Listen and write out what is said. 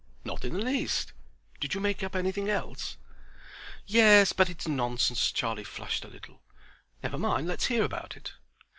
"Not in the least. Did you make up anything else?" "Yes, but it's nonsense." Charlie flushed a little. "Never mind; let's hear about it."